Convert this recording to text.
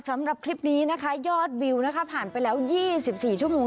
สำหรับคลิปนี้นะคะยอดวิวนะคะผ่านไปแล้ว๒๔ชั่วโมง